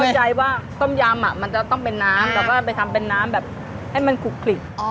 เข้าใจว่าต้มยำมันจะต้องเป็นน้ำแล้วก็ไปทำเป็นน้ำแบบให้มันขลุก